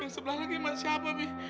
yang sebelah lagi masih siapa mi